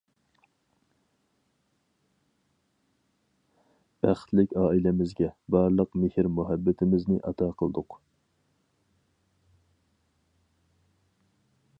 بەختلىك ئائىلىمىزگە بارلىق مېھىر-مۇھەببىتىمىزنى ئاتا قىلدۇق.